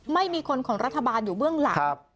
ไม่มีคนของรัฐบาลอยู่เบื้องหลัง